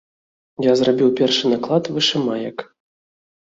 Я зрабіў першы наклад вышымаек.